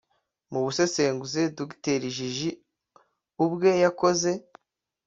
Mu busesenguzi Dr Jiji ubwe yakoze